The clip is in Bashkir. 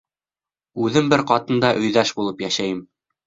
Үҙем бер ҡатында өйҙәш булып йәшәйем.